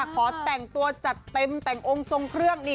ขอแต่งตัวจัดเต็มแต่งองค์ทรงเครื่องนี่